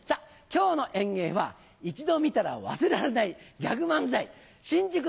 今日の演芸は一度見たら忘れられないギャグ漫才新宿